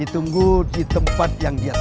ditunggu di tempat yang dia